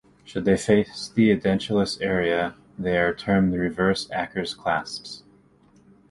Should they face the edentulous area, they are termed reverse Akers' clasps.